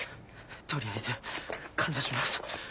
取りあえず感謝します。